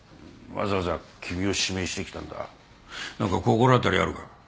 何か心当たりあるか？